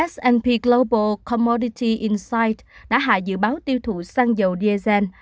s p global commodity insight đã hạ dự báo tiêu thụ săn dầu diezen